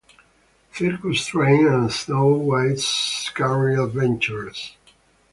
Circus Train, and Snow White's Scary Adventures.